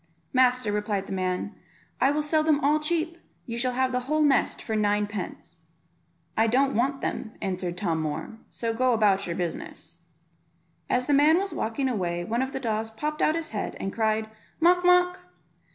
"Master," replied the man, "I will sell them all cheap; you shall have the whole nest for nine pence." "I don't want them," answered Tom Moor, "so go about your business." As the man was walking away one of the daws popped out his head, and cried "Mawk, mawk."